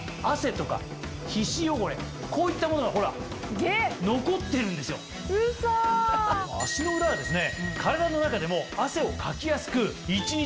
こういったものがほら残ってるんですよ。といわれているんですね。